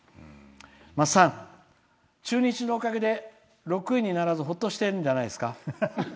「まっさん、中日のおかげで６位にならず、ほっとしているんじゃないですか」。